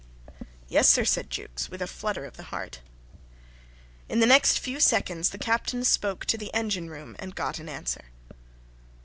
"Yes, sir," said Jukes, with a flutter of the heart. In the next few seconds the Captain spoke to the engine room and got an answer.